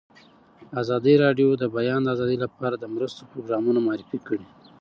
ازادي راډیو د د بیان آزادي لپاره د مرستو پروګرامونه معرفي کړي.